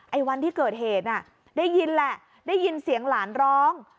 วันที่เกิดเหตุน่ะได้ยินแหละได้ยินเสียงหลานร้อง